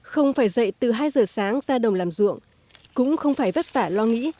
không phải dậy từ hai giờ sáng ra đồng làm ruộng cũng không phải vất vả lo nghĩ